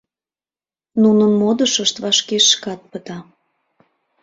Нунын модышышт вашке шкат пыта.